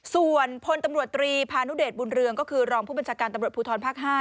ส่วนพลตำรวจตรีพานุเดชบุญเรืองก็คือรองผู้บัญชาการตำรวจภูทรภาค๕